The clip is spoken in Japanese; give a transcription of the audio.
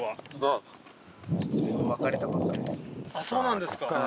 そうなんですか。